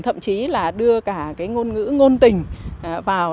thậm chí là đưa cả cái ngôn ngữ ngôn tình vào